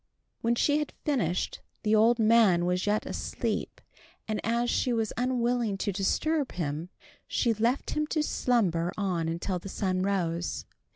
When she had finished the old man was yet asleep, and as she was unwilling to disturb him, she left him to slumber on until the sun rose.